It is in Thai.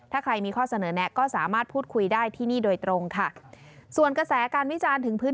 ถ้าใครมีข้อเสนอแนะก็สามารถพูดคุยได้ที่นี่โดยตรง